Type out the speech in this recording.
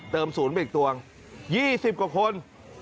ศูนย์ไปอีกตวง๒๐กว่าคน